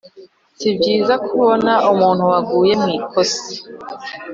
si byiza kubona umuntu waguye mu ikosa